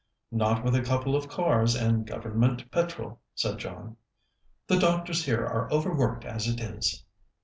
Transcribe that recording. "Not with a couple of cars and Government petrol," said John. "The doctors here are overworked as it is."